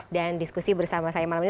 dan diskusi bersama saya malam ini